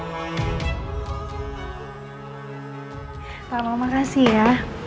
terima kasih ya